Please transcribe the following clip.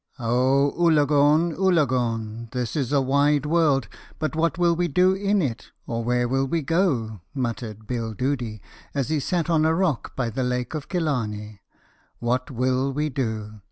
"Oh, ullagone! ullagone! this is a wide world, but what will we do in it, or where will we go?" muttered Bill Doody, as he sat on a rock by the Lake of Killarney. "What will we do?